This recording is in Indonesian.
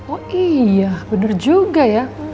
oh iya benar juga ya